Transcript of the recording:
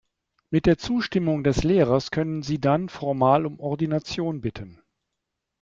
Mit der Zustimmung des Lehrers können sie dann formal um Ordination bitten.